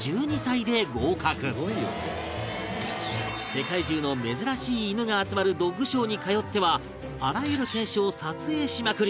世界中の珍しい犬が集まるドッグショーに通ってはあらゆる犬種を撮影しまくり